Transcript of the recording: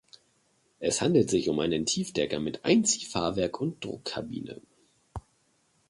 Es handelt sich um einen Tiefdecker mit Einziehfahrwerk und Druckkabine.